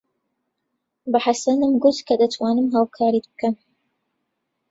بە حەسەنم گوت کە دەتوانم هاوکاریت بکەم.